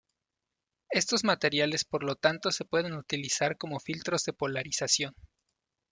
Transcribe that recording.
Estos materiales por lo tanto se pueden utilizar como filtros de polarización.